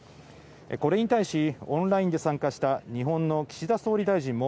これに対しオンラインで参加した日本の岸田総理大臣も